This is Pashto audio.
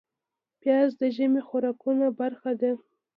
پیاز د ژمي خوراکونو برخه ده